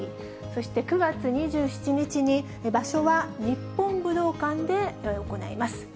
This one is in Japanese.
そして、９月２７日に場所は日本武道館で執り行います。